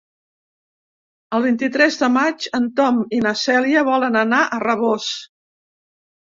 El vint-i-tres de maig en Tom i na Cèlia volen anar a Rabós.